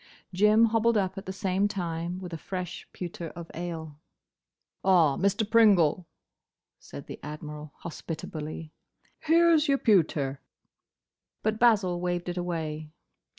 Jim hobbled up at the same time with a fresh pewter of ale. "Ah, Mr. Pringle," said the Admiral, hospitably, "here 's your pewter." But Basil waved it away.